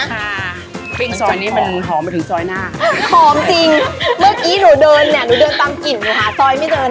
ปิ้งซอยนี้มันหอมไปถึงซอยหน้าหอมจริงเมื่อกี้หนูเดินเนี่ยหนูเดินตามกลิ่นหนูหาซอยไม่เดิน